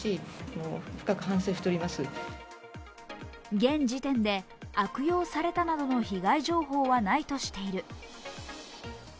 現時点で、悪用されたなどの被害情報はないとしている。